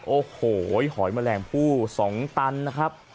โอ้โหหอยแมลงผู้๒ตันนะครับ